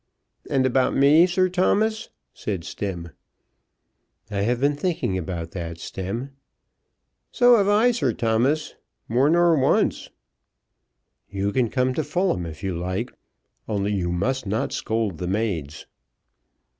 "And about me, Sir Thomas?" said Stemm. "I have been thinking about that, Stemm." "So have I, Sir Thomas, more nor once." "You can come to Fulham if you like, only you must not scold the maids."